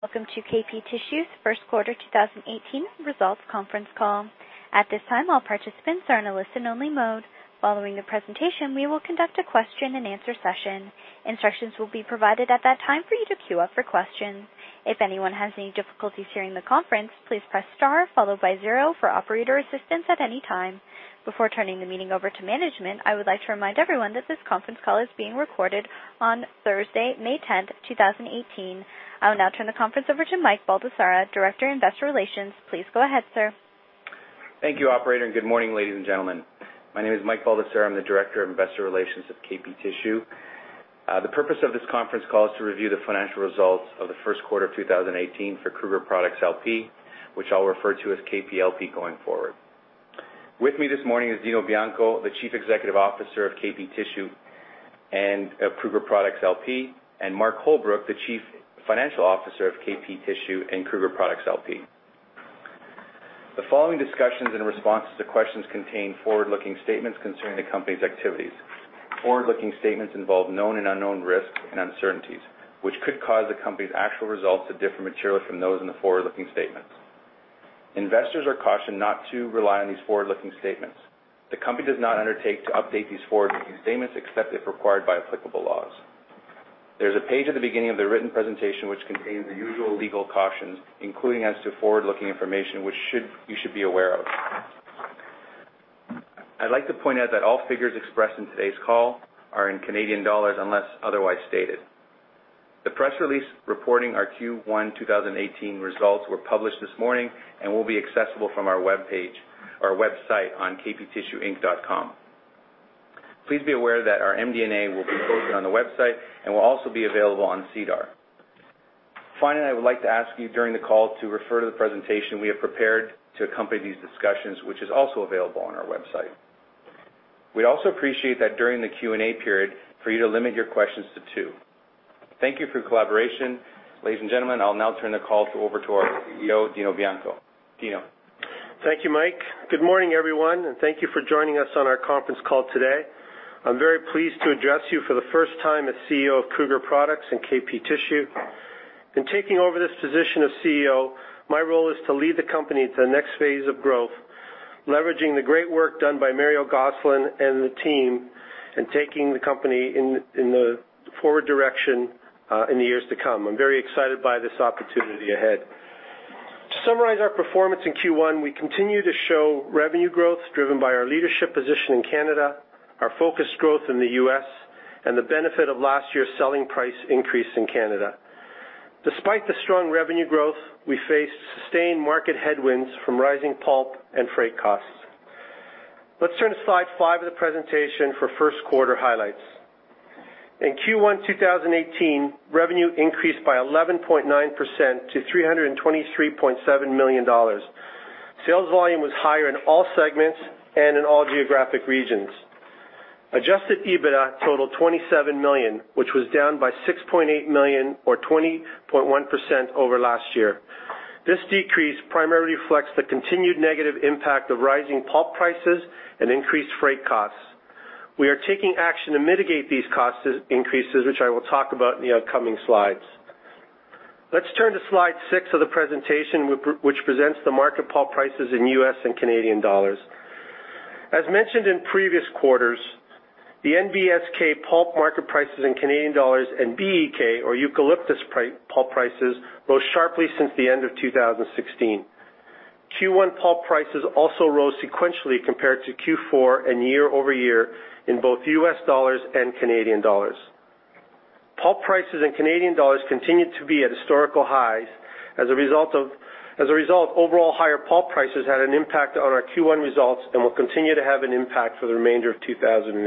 Welcome to KP Tissue's first quarter 2018 results conference call. At this time, all participants are in a listen-only mode. Following the presentation, we will conduct a question-and-answer session. Instructions will be provided at that time for you to queue up for questions. If anyone has any difficulties hearing the conference, please press star followed by zero for operator assistance at any time. Before turning the meeting over to management, I would like to remind everyone that this conference call is being recorded on Thursday, May 10th, 2018. I will now turn the conference over to Mike Baldesarra, Director of Investor Relations. Please go ahead, sir. Thank you, operator, and good morning, ladies and gentlemen. My name is Mike Baldesarra. I'm the Director of Investor Relations at KP Tissue. The purpose of this conference call is to review the financial results of the first quarter of 2018 for Kruger Products LP, which I'll refer to as KPLP going forward. With me this morning is Dino Bianco, the Chief Executive Officer of KP Tissue and Kruger Products LP, and Mark Holbrook, the Chief Financial Officer of KP Tissue and Kruger Products LP. The following discussions and responses to questions contain forward-looking statements concerning the company's activities. Forward-looking statements involve known and unknown risks and uncertainties, which could cause the company's actual results to differ materially from those in the forward-looking statements. Investors are cautioned not to rely on these forward-looking statements. The company does not undertake to update these forward-looking statements, except if required by applicable laws. There's a page at the beginning of the written presentation which contains the usual legal cautions, including as to forward-looking information, which you should be aware of. I'd like to point out that all figures expressed in today's call are in Canadian dollars, unless otherwise stated. The press release reporting our Q1 2018 results were published this morning and will be accessible from our webpage or website on kptissueinc.com. Please be aware that our MD&A will be posted on the website and will also be available on SEDAR. Finally, I would like to ask you during the call to refer to the presentation we have prepared to accompany these discussions, which is also available on our website. We'd also appreciate that during the Q&A period for you to limit your questions to two. Thank you for your collaboration. Ladies and gentlemen, I'll now turn the call over to our CEO, Dino Bianco. Dino. Thank you, Mike. Good morning, everyone, and thank you for joining us on our conference call today. I'm very pleased to address you for the first time as CEO of Kruger Products and KP Tissue. In taking over this position of CEO, my role is to lead the company to the next phase of growth, leveraging the great work done by Mario Gosselin and the team, and taking the company in the forward direction, in the years to come. I'm very excited by this opportunity ahead. To summarize our performance in Q1, we continue to show revenue growth, driven by our leadership position in Canada, our focused growth in the U.S., and the benefit of last year's selling price increase in Canada. Despite the strong revenue growth, we faced sustained market headwinds from rising pulp and freight costs. Let's turn to slide five of the presentation for first quarter highlights. In Q1 2018, revenue increased by 11.9% to $323.7 million dollars. Sales volume was higher in all segments and in all geographic regions. Adjusted EBITDA totaled 27 million, which was down by 6.8 million or 20.1% over last year. This decrease primarily reflects the continued negative impact of rising pulp prices and increased freight costs. We are taking action to mitigate these cost increases, which I will talk about in the upcoming slides. Let's turn to slide 6 of the presentation, which presents the market pulp prices in U.S. and Canadian dollars. As mentioned in previous quarters, the NBSK pulp market prices in Canadian dollars and BEK or eucalyptus pulp prices rose sharply since the end of 2016. Q1 pulp prices also rose sequentially compared to Q4 and year-over-year in both US dollars and Canadian dollars. Pulp prices in Canadian dollars continued to be at historical highs. As a result, overall higher pulp prices had an impact on our Q1 results and will continue to have an impact for the remainder of 2018.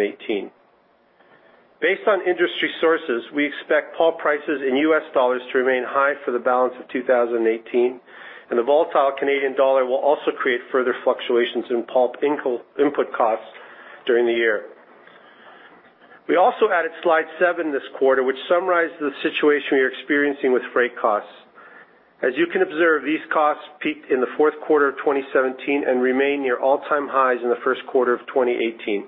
Based on industry sources, we expect pulp prices in US dollars to remain high for the balance of 2018, and the volatile Canadian dollar will also create further fluctuations in pulp input costs during the year. We also added slide seven this quarter, which summarizes the situation we are experiencing with freight costs. As you can observe, these costs peaked in the fourth quarter of 2017 and remain near all-time highs in the first quarter of 2018.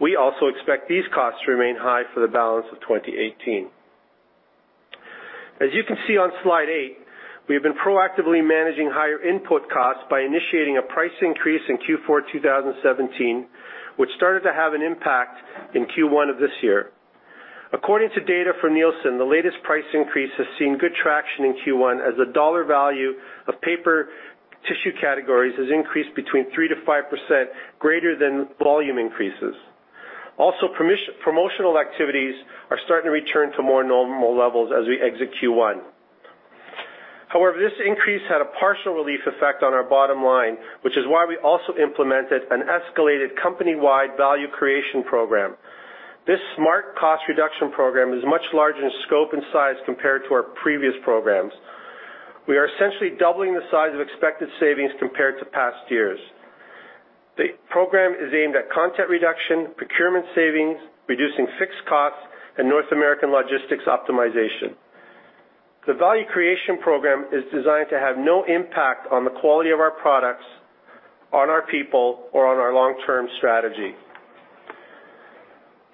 We also expect these costs to remain high for the balance of 2018. As you can see on slide eight, we've been proactively managing higher input costs by initiating a price increase in Q4 2017, which started to have an impact in Q1 of this year. According to data from Nielsen, the latest price increase has seen good traction in Q1, as the dollar value of paper tissue categories has increased between 3%-5% greater than volume increases. Also, promotional activities are starting to return to more normal levels as we exit Q1. However, this increase had a partial relief effect on our bottom line, which is why we also implemented an escalated company-wide value creation program. This smart cost reduction program is much larger in scope and size compared to our previous programs. We are essentially doubling the size of expected savings compared to past years. The program is aimed at content reduction, procurement savings, reducing fixed costs, and North American logistics optimization. The value creation program is designed to have no impact on the quality of our products, on our people, or on our long-term strategy.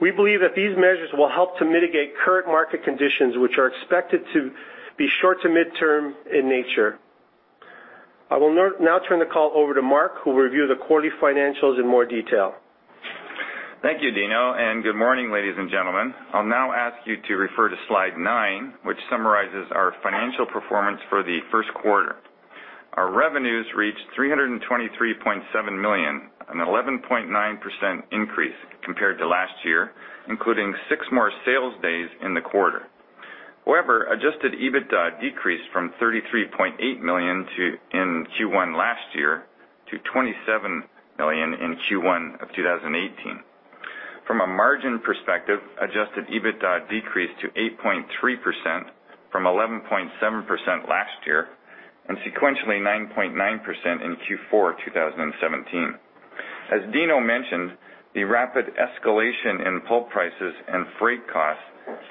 We believe that these measures will help to mitigate current market conditions, which are expected to be short to mid-term in nature. I will now turn the call over to Mark, who will review the quarterly financials in more detail. Thank you, Dino, and good morning, ladies and gentlemen. I'll now ask you to refer to slide nine, which summarizes our financial performance for the first quarter. Our revenues reached CAD 323.7 million, an 11.9% increase compared to last year, including six more sales days in the quarter. However, Adjusted EBITDA decreased from CAD 33.8 million in Q1 last year to CAD 27 million in Q1 of 2018. From a margin perspective, Adjusted EBITDA decreased to 8.3% from 11.7% last year, and sequentially, 9.9% in Q4 2017. As Dino mentioned, the rapid escalation in pulp prices and freight costs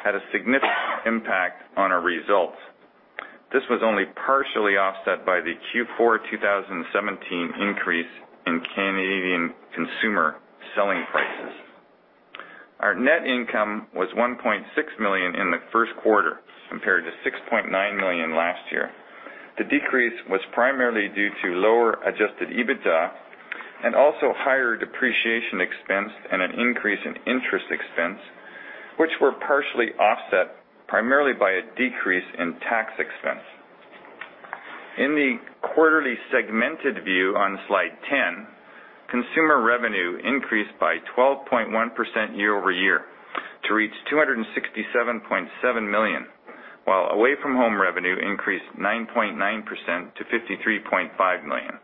had a significant impact on our results. This was only partially offset by the Q4 2017 increase in Canadian consumer selling prices. Our net income was 1.6 million in the first quarter, compared to 6.9 million last year. The decrease was primarily due to lower Adjusted EBITDA and also higher depreciation expense and an increase in interest expense, which were partially offset primarily by a decrease in tax expense. In the quarterly segmented view on slide 10, consumer revenue increased by 12.1% year-over-year to reach 267.7 million, while away from home revenue increased 9.9% to 53.5 million.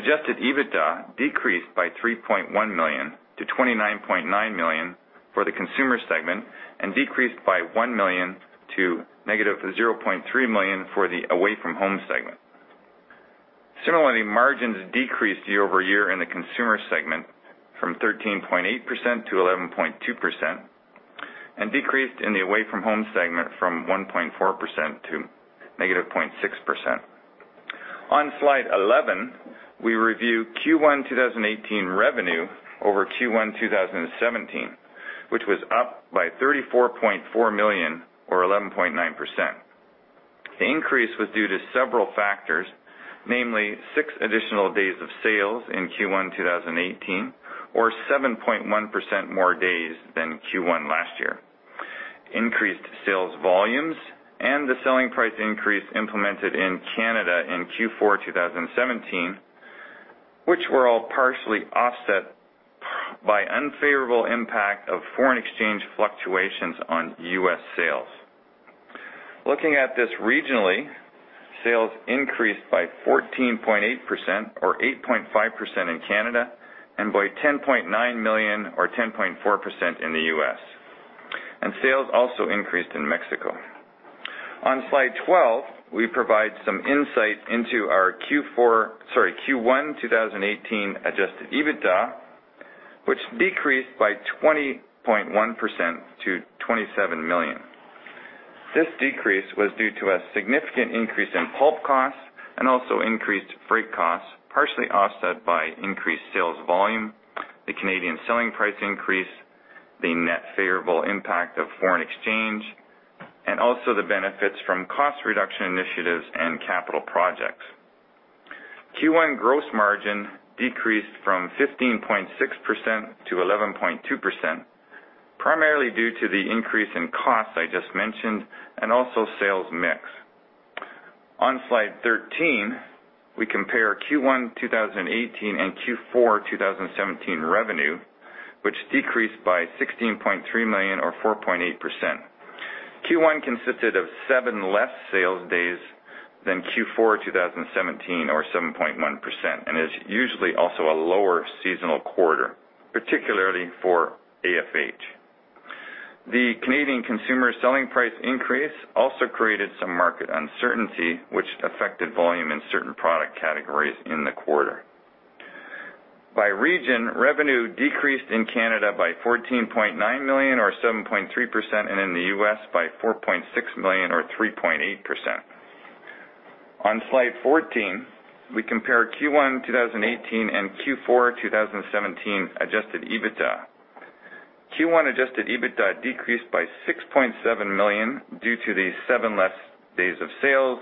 Adjusted EBITDA decreased by 3.1 million to 29.9 million for the consumer segment and decreased by 1 million to negative 0.3 million for the Away-From-Home segment. Similarly, margins decreased year-over-year in the consumer segment from 13.8%-11.2%, and decreased in the away from home segment from 1.4% to -0.6%. On slide 11, we review Q1 2018 revenue over Q1 2017, which was up by 34.4 million or 11.9%. The increase was due to several factors, namely six additional days of sales in Q1 2018, or 7.1% more days than Q1 last year. Increased sales volumes and the selling price increase implemented in Canada in Q4 2017, which were all partially offset by unfavorable impact of foreign exchange fluctuations on US sales. Looking at this regionally, sales increased by 14.8% or 8.5% in Canada, and by $10.9 million or 10.4% in the U.S., and sales also increased in Mexico. On slide 12, we provide some insight into our Q4 sorry, Q1 2018 Adjusted EBITDA, which decreased by 20.1% to 27 million. This decrease was due to a significant increase in pulp costs and also increased freight costs, partially offset by increased sales volume, the Canadian selling price increase, the net favorable impact of foreign exchange, and also the benefits from cost reduction initiatives and capital projects. Q1 gross margin decreased from 15.6%-11.2%, primarily due to the increase in costs I just mentioned and also sales mix. On slide 13, we compare Q1 2018 and Q4 2017 revenue, which decreased by 16.3 million or 4.8%. Q1 consisted of seven less sales days than Q4 2017, or 7.1%, and is usually also a lower seasonal quarter, particularly for AFH. The Canadian consumer selling price increase also created some market uncertainty, which affected volume in certain product categories in the quarter. By region, revenue decreased in Canada by 14.9 million or 7.3%, and in the U.S. by 4.6 million or 3.8%. On slide 14, we compare Q1 2018 and Q4 2017 Adjusted EBITDA. Q1 Adjusted EBITDA decreased by 6.7 million due to the seven less days of sales,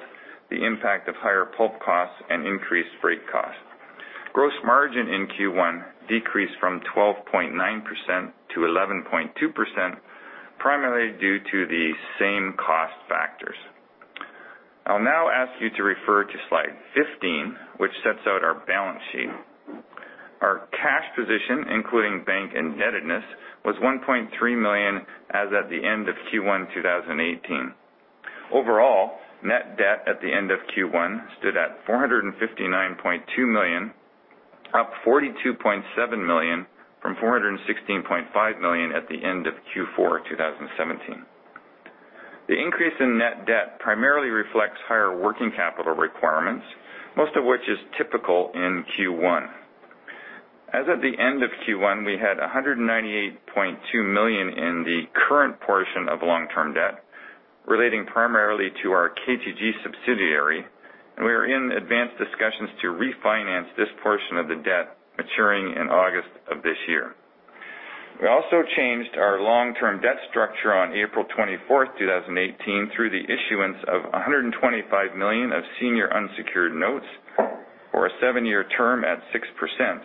the impact of higher pulp costs and increased freight costs. Gross margin in Q1 decreased from 12.9%-11.2%, primarily due to the same cost factors. I'll now ask you to refer to slide 15, which sets out our balance sheet. Our cash position, including bank indebtedness, was 1.3 million as at the end of Q1, 2018. Overall, net debt at the end of Q1 stood at 459.2 million, up 42.7 million from 416.5 million at the end of Q4, 2017. The increase in net debt primarily reflects higher working capital requirements, most of which is typical in Q1. As at the end of Q1, we had 198.2 million in the current portion of long-term debt, relating primarily to our KTG subsidiary, and we are in advanced discussions to refinance this portion of the debt maturing in August of this year. We also changed our long-term debt structure on April 24, 2018, through the issuance of 125 million of senior unsecured notes for a seven-year term at 6%,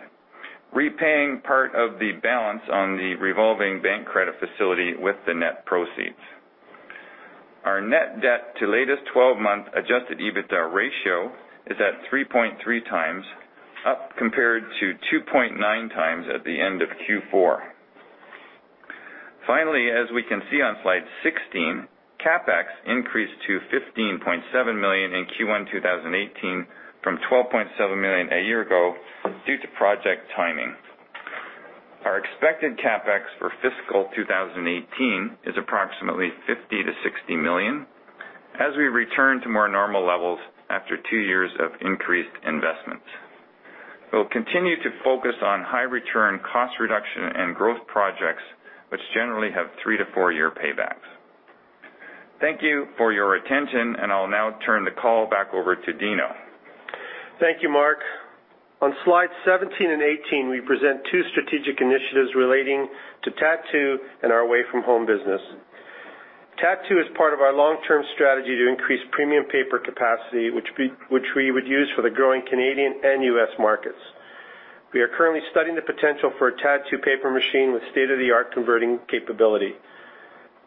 repaying part of the balance on the revolving bank credit facility with the net proceeds. Our net debt to latest 12 month Adjusted EBITDA ratio is at 3.3x, up compared to 2.9x at the end of Q4. Finally, as we can see on slide 16, CapEx increased to 15.7 million in Q1 2018, from 12.7 million a year ago, due to project timing. Our expected CapEx for fiscal 2018 is approximately 50 million-60 million as we return to more normal levels after two years of increased investments. We'll continue to focus on high return cost reduction and growth projects, which generally have 3-4-year paybacks. Thank you for your attention, and I'll now turn the call back over to Dino. Thank you, Mark. On slide 17 and 18, we present two strategic initiatives relating to TAD2 and our Away-From-Home business. TAD2 is part of our long-term strategy to increase premium paper capacity, which we would use for the growing Canadian and U.S. markets. We are currently studying the potential for a TAD2 paper machine with state-of-the-art converting capability.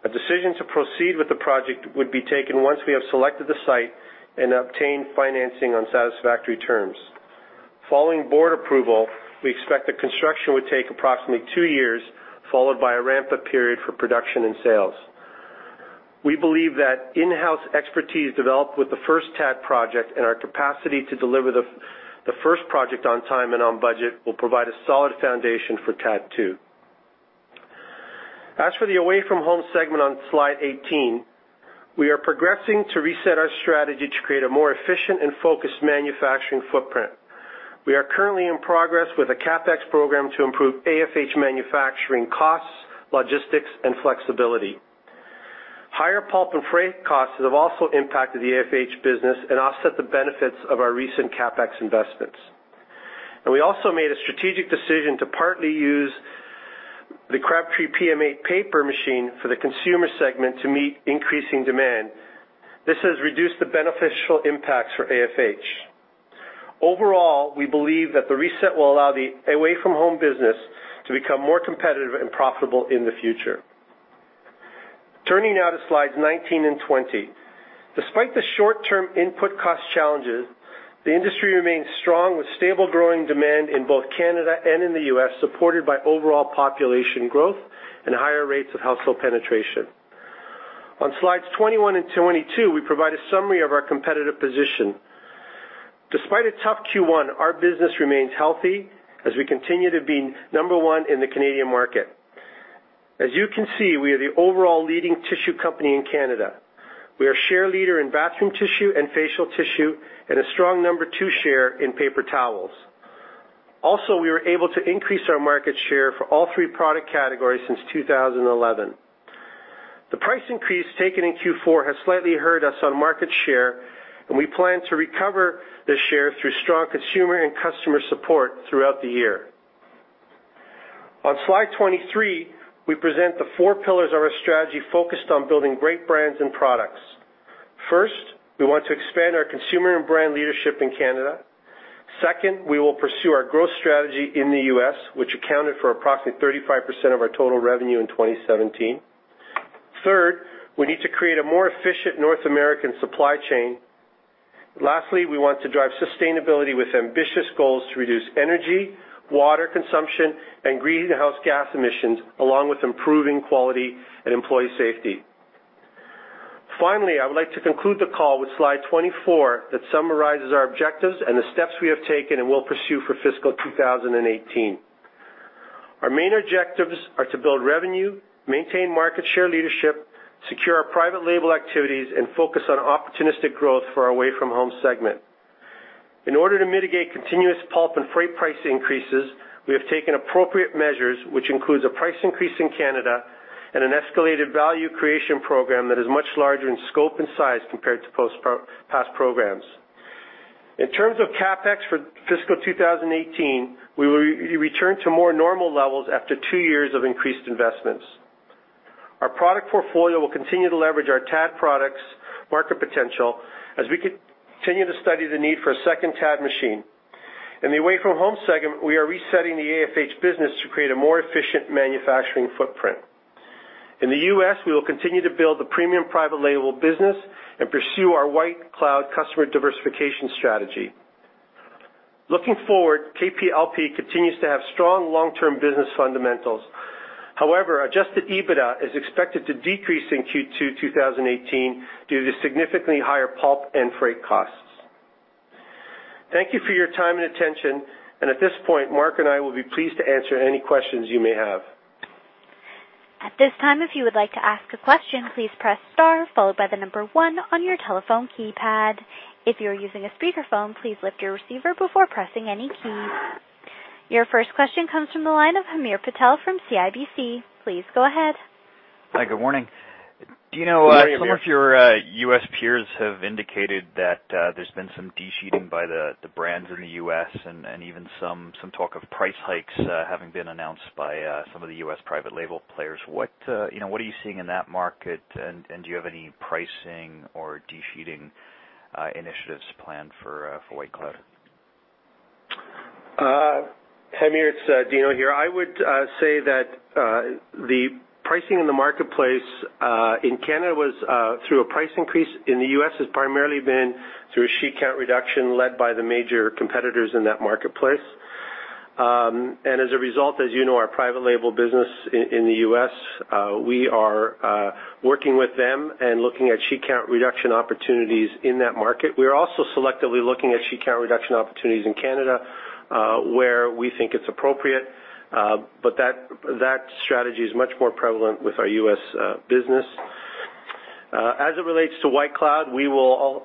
A decision to proceed with the project would be taken once we have selected the site and obtained financing on satisfactory terms. Following board approval, we expect the construction would take approximately two years, followed by a ramp-up period for production and sales. We believe that in-house expertise developed with the first TAD project and our capacity to deliver the first project on time and on budget, will provide a solid foundation for TAD2. As for the Away-From-Home segment on slide 18, we are progressing to reset our strategy to create a more efficient and focused manufacturing footprint. We are currently in progress with a CapEx program to improve AFH manufacturing costs, logistics, and flexibility. Higher pulp and freight costs have also impacted the AFH business and offset the benefits of our recent CapEx investments. We also made a strategic decision to partly use the Crabtree PM8 paper machine for the consumer segment to meet increasing demand. This has reduced the beneficial impacts for AFH. Overall, we believe that the reset will allow the Away-From-Home business to become more competitive and profitable in the future. Turning now to slides 19 and 20. Despite the short-term input cost challenges, the industry remains strong, with stable, growing demand in both Canada and in the U.S., supported by overall population growth and higher rates of household penetration. On slides 21 and 22, we provide a summary of our competitive position. Despite a tough Q1, our business remains healthy as we continue to be number one in the Canadian market. As you can see, we are the overall leading tissue company in Canada. We are share leader in bathroom tissue and facial tissue, and a strong number two share in paper towels. Also, we were able to increase our market share for all three product categories since 2011. The price increase taken in Q4 has slightly hurt us on market share, and we plan to recover this share through strong consumer and customer support throughout the year. On slide 23, we present the four pillars of our strategy focused on building great brands and products. First, we want to expand our consumer and brand leadership in Canada. Second, we will pursue our growth strategy in the U.S., which accounted for approximately 35% of our total revenue in 2017. Third, we need to create a more efficient North American supply chain. Lastly, we want to drive sustainability with ambitious goals to reduce energy, water consumption, and greenhouse gas emissions, along with improving quality and employee safety. Finally, I would like to conclude the call with slide 24, that summarizes our objectives and the steps we have taken and will pursue for fiscal 2018. Our main objectives are to build revenue, maintain market share leadership, secure our private label activities, and focus on opportunistic growth for our Away-From-Home segment. In order to mitigate continuous pulp and freight price increases, we have taken appropriate measures, which includes a price increase in Canada and an escalated value creation program that is much larger in scope and size compared to past programs. In terms of CapEx for fiscal 2018, we will return to more normal levels after two years of increased investments. Our product portfolio will continue to leverage our TAD products market potential as we continue to study the need for a second TAD machine. In the Away-From-Home segment, we are resetting the AFH business to create a more efficient manufacturing footprint. In the U.S., we will continue to build the premium private label business and pursue our White Cloud customer diversification strategy. Looking forward, KPLP continues to have strong long-term business fundamentals. However, Adjusted EBITDA is expected to decrease in Q2 2018 due to significantly higher pulp and freight costs. Thank you for your time and attention, and at this point, Mark and I will be pleased to answer any questions you may have. At this time, if you would like to ask a question, please press star, followed by the number one on your telephone keypad. If you are using a speakerphone, please lift your receiver before pressing any key. Your first question comes from the line of Hamir Patel from CIBC. Please go ahead. Hi, good morning. Dino, some of your U.S. peers have indicated that there's been some de-sheeting by the brands in the U.S., and even some talk of price hikes having been announced by some of the U.S. private label players. What, you know, what are you seeing in that market, and do you have any pricing or de-sheeting initiatives planned for White Cloud? Hamir, it's Dino here. I would say that the pricing in the marketplace in Canada was through a price increase. In the U.S., it's primarily been through a sheet count reduction led by the major competitors in that marketplace. And as a result, as you know, our private label business in the U.S., we are working with them and looking at sheet count reduction opportunities in that market. We are also selectively looking at sheet count reduction opportunities in Canada, where we think it's appropriate. But that strategy is much more prevalent with our U.S. business. As it relates to White Cloud, we will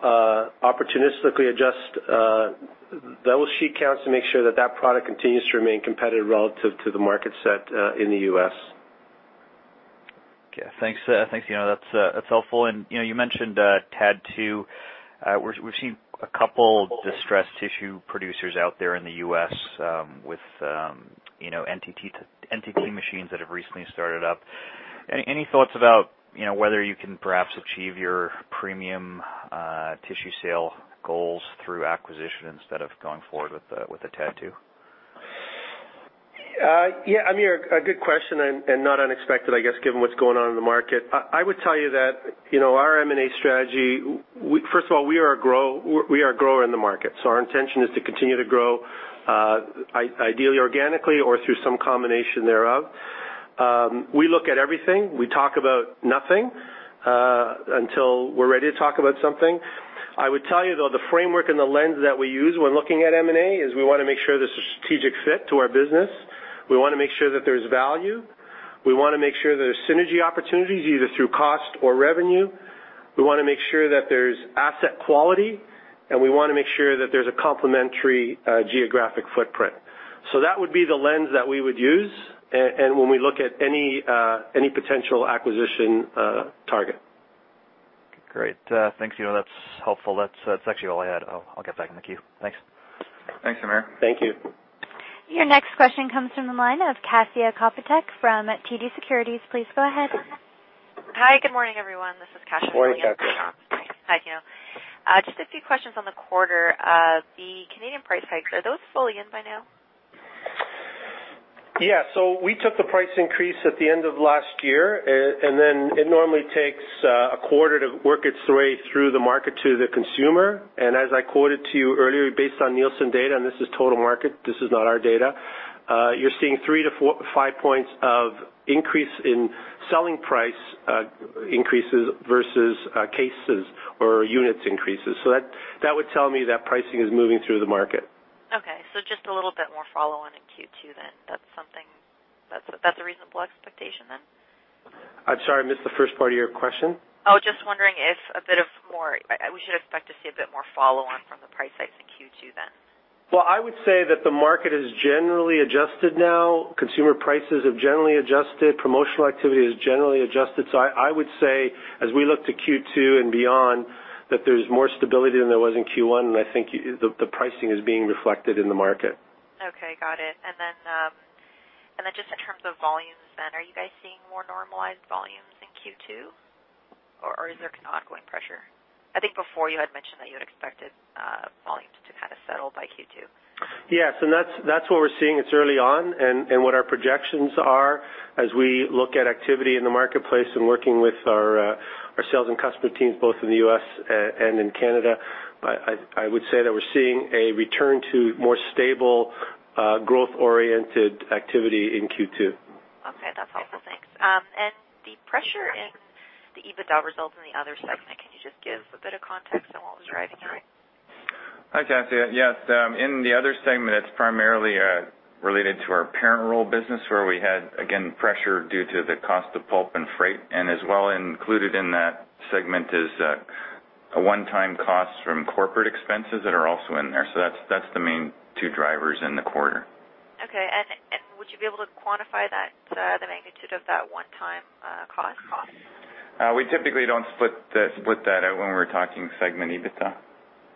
opportunistically adjust those sheet counts to make sure that that product continues to remain competitive relative to the market set in the U.S. Okay, thanks. Thanks, Dino. That's helpful. And, you know, you mentioned TAD2. We've seen a couple distressed tissue producers out there in the U.S. with, you know, NTT machines that have recently started up. Any thoughts about, you know, whether you can perhaps achieve your premium tissue sale goals through acquisition instead of going forward with a TAD2? Yeah, Hamir, a good question, and not unexpected, I guess, given what's going on in the market. I would tell you that, you know, our M&A strategy, first of all, we are a grower in the market, so our intention is to continue to grow, ideally, organically or through some combination thereof. We look at everything. We talk about nothing, until we're ready to talk about something. I would tell you, though, the framework and the lens that we use when looking at M&A is we want to make sure there's a strategic fit to our business. We want to make sure that there's value. We want to make sure there's synergy opportunities, either through cost or revenue. We want to make sure that there's asset quality, and we want to make sure that there's a complementary, geographic footprint. So that would be the lens that we would use and when we look at any any potential acquisition target. Great. Thanks, Dino. That's helpful. That's actually all I had. I'll, I'll get back in the queue. Thanks. Thanks, Hamir. Thank you. Your next question comes from the line of Kasia Kopytek from TD Securities. Please go ahead. Hi, good morning, everyone. This is Kasia- Good morning, Kasia. Hi, Dino. Just a few questions on the quarter. The Canadian price hikes, are those fully in by now? Yeah, so we took the price increase at the end of last year. And then it normally takes a quarter to work its way through the market to the consumer. And as I quoted to you earlier, based on Nielsen data, and this is total market, this is not our data, you're seeing 3-4, 5 points of increase in selling price increases versus cases or units increases. So that would tell me that pricing is moving through the market. Okay, so just a little bit more follow-on in Q2, then. That's something. That's a, that's a reasonable expectation, then? I'm sorry, I missed the first part of your question. Oh, just wondering if we should expect to see a bit more follow-on from the price hikes in Q2, then? Well, I would say that the market is generally adjusted now. Consumer prices have generally adjusted. Promotional activity is generally adjusted. So I, I would say, as we look to Q2 and beyond, that there's more stability than there was in Q1, and I think the, the pricing is being reflected in the market. Okay, got it. And then just in terms of volumes, then, are you guys seeing more normalized volumes in Q2, or is there ongoing pressure? I think before you had mentioned that you had expected volumes to kind of settle by Q2. Yes, and that's what we're seeing. It's early on, and what our projections are as we look at activity in the marketplace and working with our sales and customer teams, both in the U.S. and in Canada. I would say that we're seeing a return to more stable growth-oriented activity in Q2. Okay, that's helpful. Thanks. The pressure in the EBITDA results in the other segment, can you just give a bit of context on what was driving that? Hi, Kasia. Yes, in the other segment, it's primarily related to our parent roll business, where we had, again, pressure due to the cost of pulp and freight, and as well, included in that segment is a one-time cost from corporate expenses that are also in there. So that's the main two drivers in the quarter. Okay, and would you be able to quantify that, the magnitude of that one-time cost? We typically don't split that out when we're talking segment EBITDA.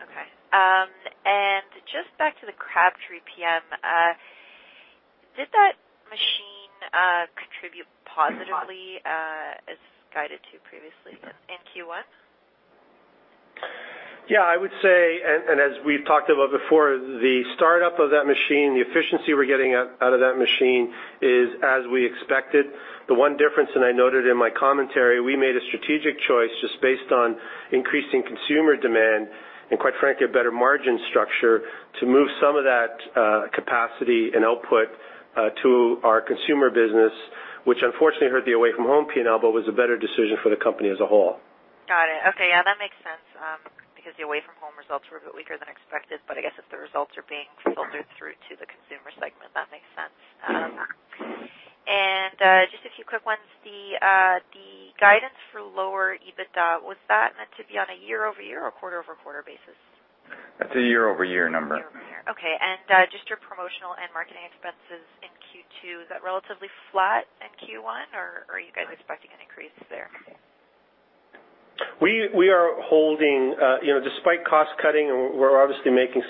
Okay. And just back to the Crabtree PM, did that machine contribute positively, as guided to previously in Q1? Yeah, I would say, and as we've talked about before, the startup of that machine, the efficiency we're getting out of that machine is as we expected. The one difference, and I noted in my commentary, we made a strategic choice just based on increasing consumer demand and, quite frankly, a better margin structure to move some of that capacity and output to our consumer business, which unfortunately hurt the Away-From-Home P&L, but was a better decision for the company as a whole. Got it. Okay. Yeah, that makes sense, because the Away-From-Home results were a bit weaker than expected, but I guess if the results are being filtered through to the consumer segment, that makes sense. Just a few quick ones. The guidance for lower EBITDA was that meant to be on a year-over-year or quarter-over-quarter basis? That's a year-over-year number. Year over year. Okay. And just your promotional and marketing expenses in Q2, is that relatively flat in Q1, or are you guys expecting an increase there? We are holding, you know, despite cost cutting, we're obviously making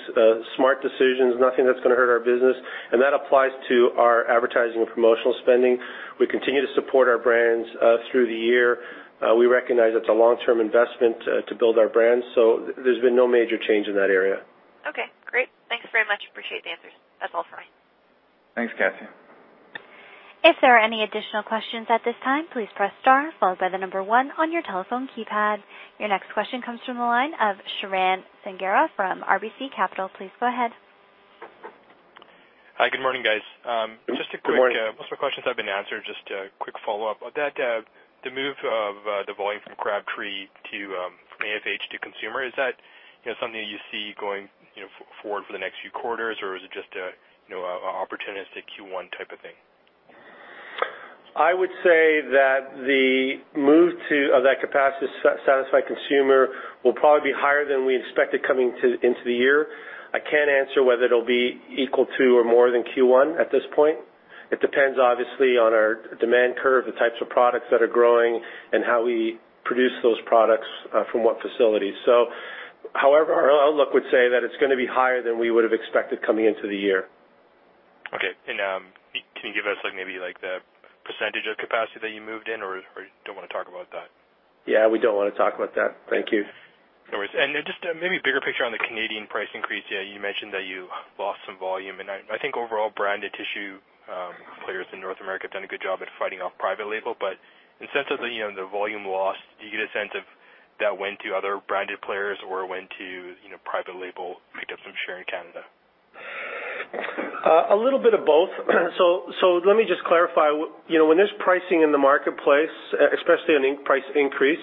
smart decisions, nothing that's gonna hurt our business, and that applies to our advertising and promotional spending. We continue to support our brands through the year. We recognize it's a long-term investment to build our brands, so there's been no major change in that area. Okay, great. Thanks very much. Appreciate the answers. That's all for me. Thanks, Kasia. If there are any additional questions at this time, please press star followed by the number one on your telephone keypad. Your next question comes from the line of Sharan Sanghera from RBC Capital. Please go ahead. Hi, good morning, guys. Just a quick- Good morning. Most of the questions have been answered. Just a quick follow-up on that, the move of the volume from Crabtree to AFH to consumer, is that, you know, something that you see going, you know, forward for the next few quarters? Or is it just a, you know, a opportunistic Q1 type of thing? I would say that the move to, of that capacity satisfy consumer will probably be higher than we expected coming into the year. I can't answer whether it'll be equal to or more than Q1 at this point. It depends, obviously, on our demand curve, the types of products that are growing and how we produce those products, from what facilities. So however, our outlook would say that it's gonna be higher than we would have expected coming into the year. Okay. And, can you give us, like, maybe like the percentage of capacity that you moved in, or, or you don't want to talk about that? Yeah, we don't want to talk about that. Thank you. No worries. Just maybe bigger picture on the Canadian price increase. Yeah, you mentioned that you lost some volume, and I think overall, branded tissue players in North America have done a good job at fighting off private label. But in the sense of the, you know, the volume loss, do you get a sense of that went to other branded players or went to, you know, private label picked up some share in Canada? A little bit of both. So let me just clarify. You know, when there's pricing in the marketplace, especially a price increase,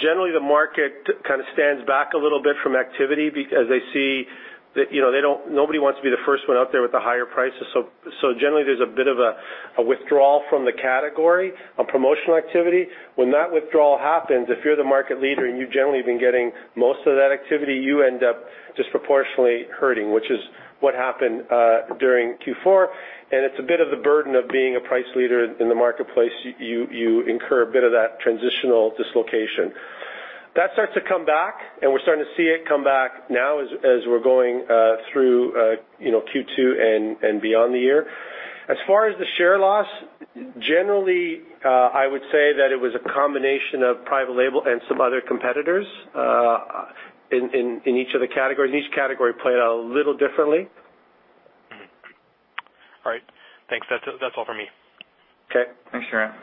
generally the market kind of stands back a little bit from activity because they see that, you know, they don't, nobody wants to be the first one out there with the higher prices. So generally, there's a bit of a withdrawal from the category, a promotional activity. When that withdrawal happens, if you're the market leader, and you've generally been getting most of that activity, you end up disproportionately hurting, which is what happened during Q4, and it's a bit of the burden of being a price leader in the marketplace. You incur a bit of that transitional dislocation. That starts to come back, and we're starting to see it come back now as we're going, you know, through Q2 and beyond the year. As far as the share loss, generally, I would say that it was a combination of private label and some other competitors in each of the categories. Each category played out a little differently. All right. Thanks. That's, that's all for me. Okay. Thanks, Sharan.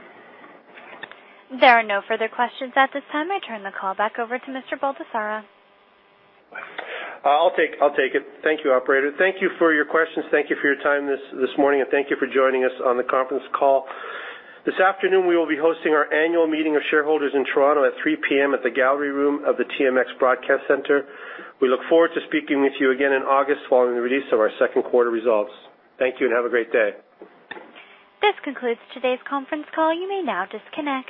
There are no further questions at this time. I turn the call back over to Mr. Baldesarra. I'll take it. Thank you, Operator. Thank you for your questions. Thank you for your time this morning, and thank you for joining us on the conference call. This afternoon, we will be hosting our annual meeting of shareholders in Toronto at 3:00 P.M. at the Gallery Room of the TMX Broadcast Centre. We look forward to speaking with you again in August following the release of our second quarter results. Thank you, and have a great day. This concludes today's conference call. You may now disconnect.